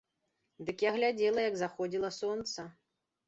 Дык я глядзела, як заходзіла сонца.